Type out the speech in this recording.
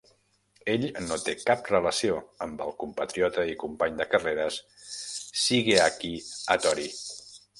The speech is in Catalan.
Ell no té cap relació amb el compatriota i company de carreres Shigeaki Hattori.